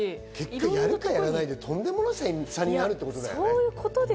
やるかやらないかでとんでもない差になるってことだね。